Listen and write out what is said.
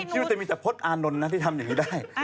ผมคิดว่าจะมีจับพสต์อานลนนะที่ทำอย่างนี้ได้